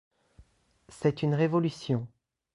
C’est une révolution.